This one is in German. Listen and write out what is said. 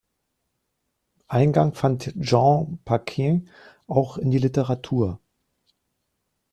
Eingang fand Jeanne Paquin auch in die Literatur.